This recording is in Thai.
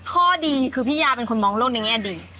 ข้อดีคือพี่ยาเป็นคนมองโลกในแง่ดี